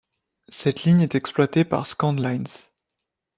Cette ligne est exploitée par Scandlines.